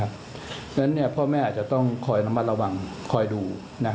เพราะฉะนั้นพ่อแม่อาจจะต้องคอยระมัดระวังคอยดู